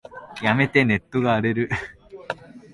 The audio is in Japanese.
やめて、ネットが荒れる。